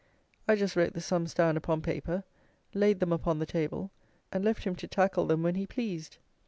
I just wrote the sums down upon paper, laid them upon the table, and left him to tackle them when he pleased.